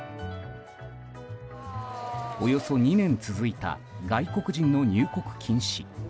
およそ２年続いた外国人の入国禁止。